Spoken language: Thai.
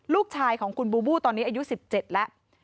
ลูกชายของคุณบูบูตอนนี้อายุ๑๗แล้ว